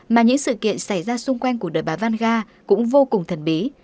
mà những sự kiện xảy ra xung quanh của đời bà vanga cũng vô cùng thần bí